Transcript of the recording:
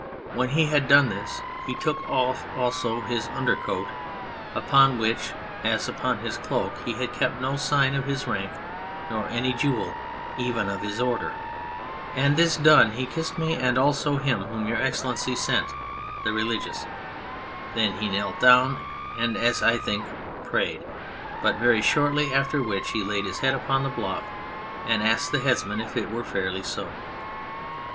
When he had done this he took off also his undercoat, upon which, as upon his cloak, he had kept no sign of his rank nor any jewel, even of his Order ; and this done he kissed me and also him whom Your Excellency sent, the Religious ; then he knelt down and, as I think, prayed, but veiy shortly, after which he laid his head upon the block and asked the Headsman if it were fairly so.